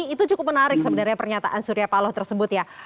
itu cukup menarik sebenarnya pernyataan surya paloh tersebut ya